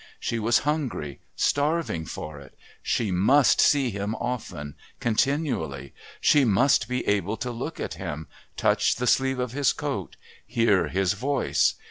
She was hungry, starving for it. She must see him often, continually. She must be able to look at him, touch the sleeve of his coat, hear his voice.